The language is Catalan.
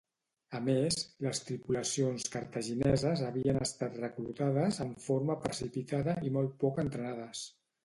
A més, les tripulacions cartagineses havien estat reclutades en forma precipitada i molt poc entrenades.